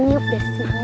kutin yuk dah sinar